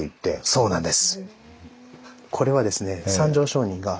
そうなんです。